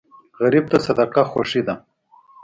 غریب ته صدقه خوښي ده